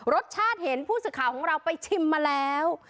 รสชาติเห็นผู้สื่อข่าวของเราไปชิมมาแล้ว